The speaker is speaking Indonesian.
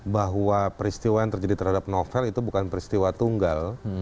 bahwa peristiwa yang terjadi terhadap novel itu bukan peristiwa tunggal